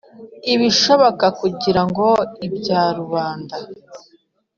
ibishoboka kugira ngo ibya rubanda